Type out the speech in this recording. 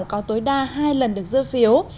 có tối đa hai lần được dơ phiếu